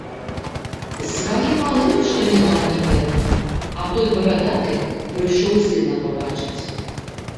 З сваім малым, што нядаўна мела, а той барадаты прыйшоў сына пабачыць.